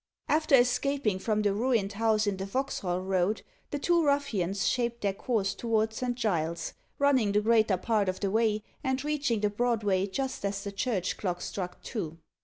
After escaping from the ruined house in the Vauxhall Road, the two ruffians shaped their course towards Saint Giles's, running the greater part of the way, and reaching the Broadway just as the church clock struck two.